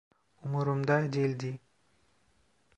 Umurumda değildi.